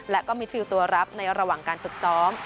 และก็มิดฟิลตัวรับในระหว่างการฝึกซ้อม